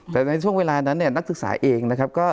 แต่ในช่วงเวลานั้นนักศึกษาเอง